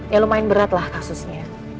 ya lumayan beratlah kasusnya